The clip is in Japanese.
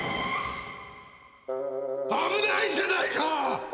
あぶないじゃないか！